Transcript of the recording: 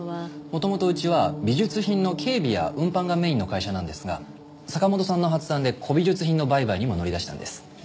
元々うちは美術品の警備や運搬がメインの会社なんですが坂本さんの発案で古美術品の売買にも乗り出したんです。